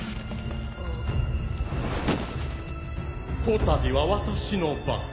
こたびは私の番。